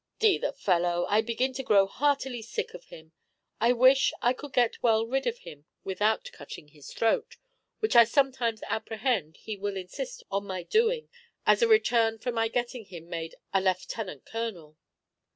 D n the fellow, I begin to grow heartily sick of him, and wish I could get well rid of him without cutting his throat, which I sometimes apprehend he will insist on my doing, as a return for my getting him made a lieutenant colonel."